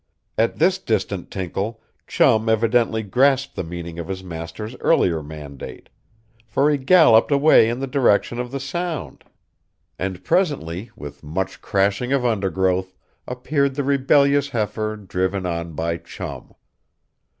At this distant tinkle Chum evidently grasped the meaning of his master's earlier mandate. For he galloped away in the direction of the sound. And presently, with much crashing of undergrowth, appeared the rebellious heifer, driven on by Chum.